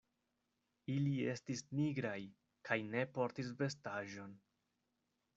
Ili estis nigraj, kaj ne portis vestaĵon.